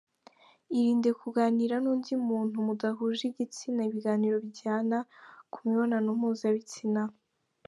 Irinde kuganira n’undi muntu mudahuje igitsina ibiganiro bijyana ku mibonano mpuzabitsina.